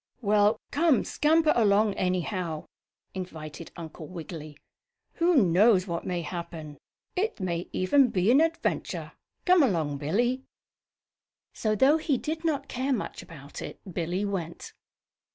"Well, come, scamper along, anyhow," invited Uncle Wiggily. "Who knows what may happen? It may even be an adventure. Come along, Billie." So, though he did not care much about it, Billie went.